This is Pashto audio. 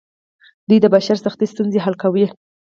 دوی د بشر سختې ستونزې حل کوي.